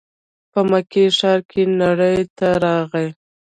په مکې ښار کې نړۍ ته راغی.